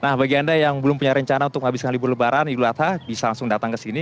nah bagi anda yang belum punya rencana untuk menghabiskan libur lebaran idul adha bisa langsung datang ke sini